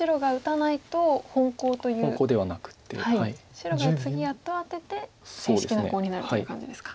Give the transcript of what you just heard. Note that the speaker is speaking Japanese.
白が次やっとアテて正式なコウになるという感じですか。